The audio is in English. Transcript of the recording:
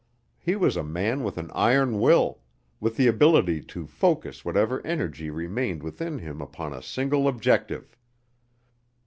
He was a man with an iron will, with the ability to focus whatever energy remained within him upon a single objective.